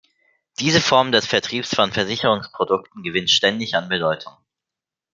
Diese Form des Vertriebs von Versicherungsprodukten gewinnt ständig an Bedeutung.